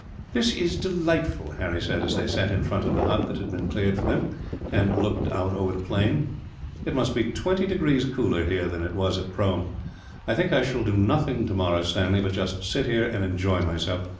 "This is delightful!" Harry said, as they sat in front of the hut that had been cleared for them, and looked over the plain. "It must be twenty degrees cooler, here, than it was at Prome. I think I shall do nothing tomorrow, Stanley, but just sit here and enjoy myself.